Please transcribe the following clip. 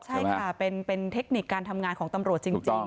ใช่ค่ะเป็นเทคนิคการทำงานของตำรวจจริง